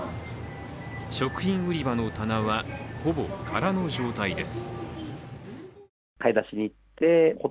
食品売り場の棚はほぼ空の状態です。